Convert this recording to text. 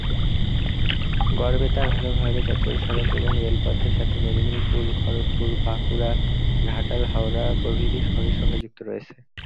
গড়বেতা ভালভাবে জাতীয় সড়ক এবং রেলপথের সাথে মেদিনীপুর, খড়গপুর, বাঁকুড়া, ঘাটাল, হাওড়া প্রভৃতি শহরের সঙ্গে যুক্ত রয়েছে।